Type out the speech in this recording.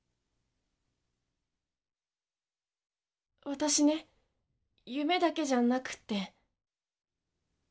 私ね夢だけじゃなくって。